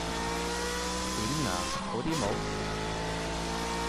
點呀？好啲冇？